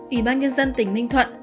ủy ban nhân dân tỉnh ninh thuận